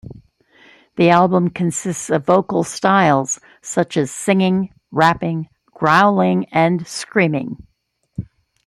The album consists of vocal styles such as singing, rapping, growling and screaming.